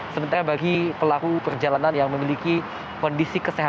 sementara bagi pelaku perjalanan yang memiliki polisi